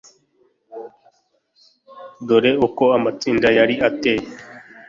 dore uko amatsinda yari ateye